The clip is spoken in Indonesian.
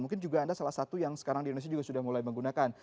mungkin juga anda salah satu yang sekarang di indonesia juga sudah mulai menggunakan